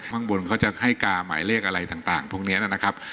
ข้างบนเขาจะให้กาหมายเลขอะไรต่างพวกนี้นะครับ